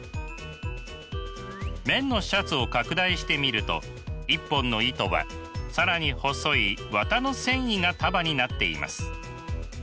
綿のシャツを拡大してみると一本の糸は更に細い綿の繊維が束になっています。